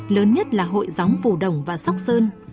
lớn nhất là hội gióng phù đồng và sóc sơn